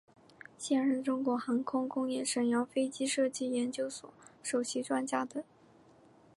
现任中国航空工业沈阳飞机设计研究所首席专家等。